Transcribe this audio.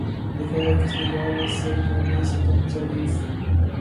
دیکھا ہے کس نگاہ سے تو نے ستم ظریف